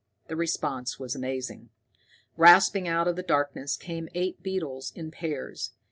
The response was amazing. Rasping out of the darkness came eight beetles in pairs.